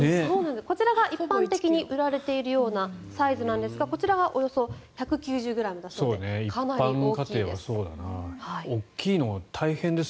こちらが一般的に売られているようなサイズですがこちらはおよそ１９０ｇだそうでかなり大きいです。